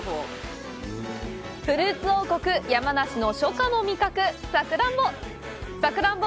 フルーツ王国・山梨の初夏の味覚、さくらんぼ！